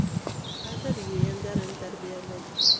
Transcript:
Хәҙер ейәндәрен тәрбиәләй